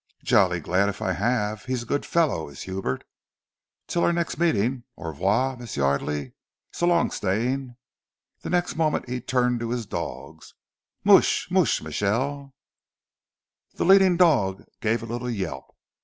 "Jolly glad if I have! He's a good fellow, is Hubert. Till our next meeting! Au revoir, Miss Yardely! So long, Stane!" The next moment he turned to his dogs. "Moosh! Moosh Michele!" The leading dog gave a little yelp.